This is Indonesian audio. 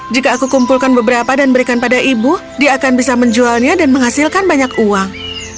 jika aku kumpulkan beberapa dan berikan pada ibu dia akan bisa menjualnya dan menghasilkan banyak uang